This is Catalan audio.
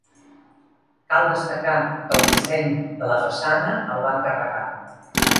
Cal destacar que el disseny de la façana el va encarregar.